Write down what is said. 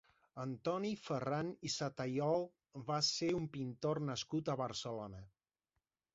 Antoni Ferran i Satayol va ser un pintor nascut a Barcelona.